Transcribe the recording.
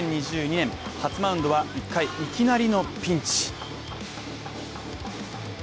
２０２２年、初マウンドは１回、いきなりのピンチ。